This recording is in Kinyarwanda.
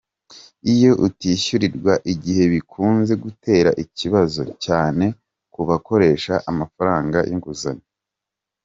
Iyo utishyurirwa igihe bikunze gutera ibibazo, cyane ku bakoresha amafaranga y’inguzanyo.